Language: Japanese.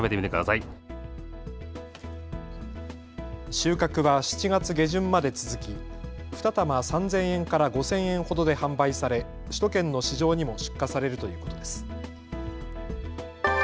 収穫は７月下旬まで続き２玉３０００円から５０００円ほどで販売され首都圏の市場にも出荷されるということです。